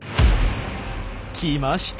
来ました。